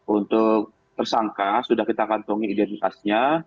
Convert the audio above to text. untuk tersangka sudah kita kantongi identitasnya